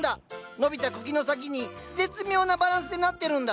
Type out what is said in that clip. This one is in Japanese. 伸びた茎の先に絶妙なバランスでなってるんだ。